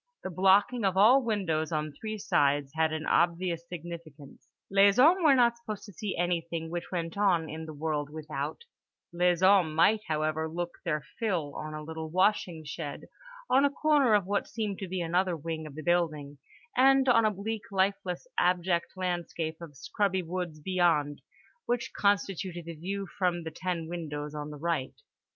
The blocking of all windows on three sides had an obvious significance: les hommes were not supposed to see anything which went on in the world without; les hommes might, however, look their fill on a little washing shed, on a corner of what seemed to be another wing of the building, and on a bleak lifeless abject landscape of scrubby woods beyond—which constituted the view from the ten windows on the right.